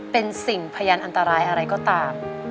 เป็นสิ่งพยานอันตรายอะไรก็ตาม